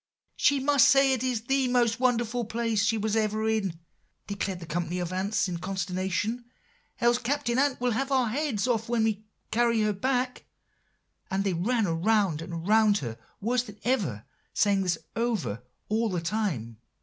"'She must say it is the most wonderful place she was ever in,' declared the company of ants in consternation, 'else Captain Ant will have our heads off when we carry her back;' and they ran round and round her worse than ever, saying this over all the time.